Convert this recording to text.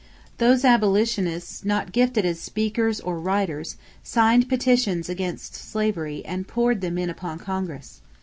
Those abolitionists, not gifted as speakers or writers, signed petitions against slavery and poured them in upon Congress.